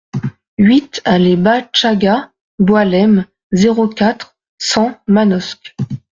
huit allée Bachagha Boualem, zéro quatre, cent Manosque